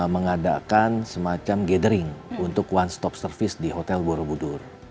mengadakan semacam gathering untuk one stop service di hotel borobudur